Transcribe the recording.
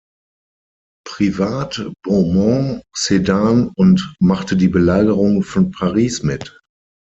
Privat, Beaumont, Sedan und machte die Belagerung von Paris mit.